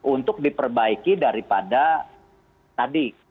untuk diperbaiki daripada tadi